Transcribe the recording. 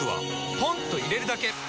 ポンと入れるだけ！